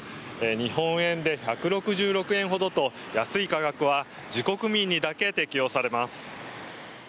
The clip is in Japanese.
日本円で１６６円ほどと安い価格は自国民だけに提供されます。